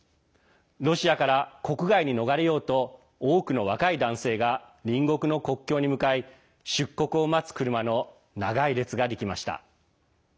ロシアから国外に逃れようと多くの若い男性が隣国の国境に向かい、出国を待つ車の長い列ができました。